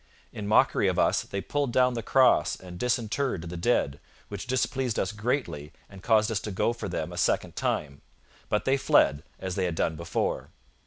In mockery of us they pulled down the cross and disinterred the dead, which displeased us greatly and caused us to go for them a second time; but they fled, as they had done before.